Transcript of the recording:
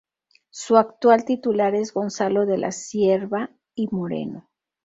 Su actual titular es Gonzalo de la Cierva y Moreno.